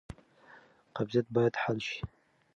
قبضیت باید حل شي.